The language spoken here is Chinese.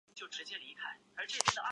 收录三首新广东歌。